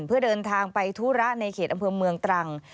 เพื่อเดินทางไปธุระในเขตอำเภอเมืองตรัง